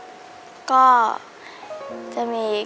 ที่ได้เงินเพื่อจะเก็บเงินมาสร้างบ้านให้ดีกว่า